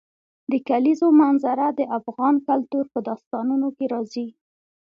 د کلیزو منظره د افغان کلتور په داستانونو کې راځي.